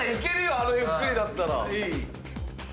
あのゆっくりだったら。